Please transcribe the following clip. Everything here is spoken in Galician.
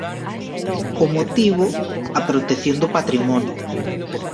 O motivo, a protección do patrimonio.